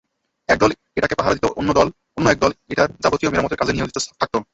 একদল এটাকে পাহারা দিত, অন্য একদল এটার যাবতীয় মেরামতের কাজে নিয়োজিত থাকত।